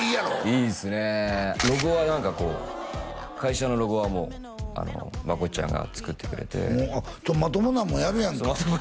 いいっすねえロゴは何かこう会社のロゴはもうまこっちゃんが作ってくれてまともなのもやるやんか